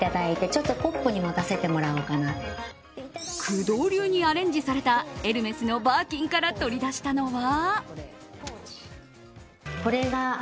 工藤流にアレンジされたエルメスのバーキンから取り出したのは。